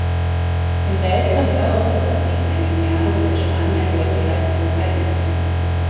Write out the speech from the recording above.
Im Weltcup dauerte es dagegen einige Jahre, bis der Spanier solche Leistungen zeigen konnte.